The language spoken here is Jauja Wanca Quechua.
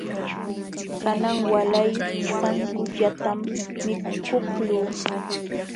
Kanan waalay sankullatam mikukuqluu.